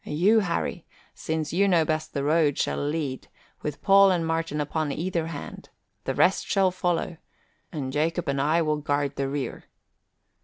You, Harry, since you know best the road, shall lead, with Paul and Martin upon either hand; the rest shall follow, and Jacob and I will guard the rear."